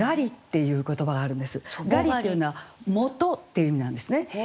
「がり」っていうのは「もと」っていう意味なんですね。